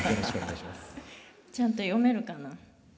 ちゃんと読めるかな。